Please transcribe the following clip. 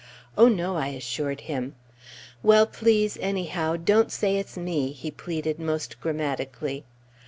Oh, no! I assured him. "Well, please, _any_how, don't say it's me!" he pleaded most grammatically.